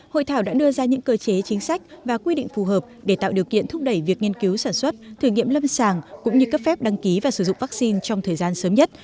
hội thảo đã đưa ra những cơ chế chính sách và quy định phù hợp để tạo điều kiện thúc đẩy việc nghiên cứu sản xuất thử nghiệm lâm sàng cũng như cấp phép đăng ký và sử dụng vaccine trong thời gian sớm nhất